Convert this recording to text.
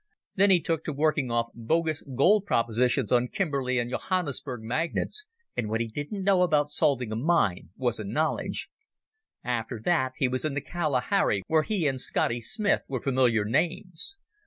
Then he took to working off bogus gold propositions on Kimberley and Johannesburg magnates, and what he didn't know about salting a mine wasn't knowledge. After that he was in the Kalahari, where he and Scotty Smith were familiar names.